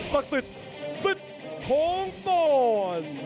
ศักดิ์สิทธิ์ของนอน